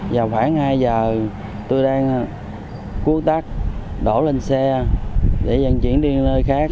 vào khoảng hai giờ tôi đang cuốc đất đổ lên xe để vận chuyển đi nơi khác